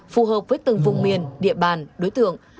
phù hợp với từng vùng miền địa bàn đối tượng